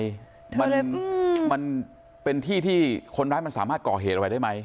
มันมันเป็นที่ที่คนร้ายมันสามารถก่อเหตุอะไรได้ไหม